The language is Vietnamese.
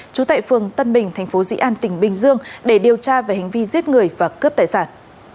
trú tại phường tân bình thành phố dĩ an tỉnh bình dương để điều tra về hành vi giết người và cướp tài sản